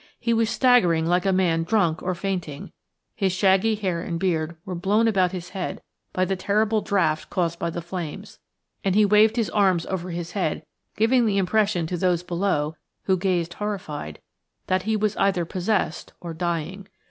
He was staggering like a man drunk or fainting, his shaggy hair and beard were blown about his head by the terrible draught caused by the flames, and he waved his arms over his head, giving the impression to those below, who gazed horrified, that he was either possessed or dying.